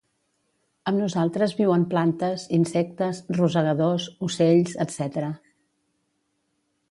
Amb nosaltres viuen plantes, insectes, rosegadors, ocells, etc.